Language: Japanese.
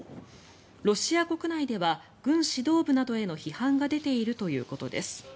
ロシア国内では軍指導部などへの批判が出ているということです。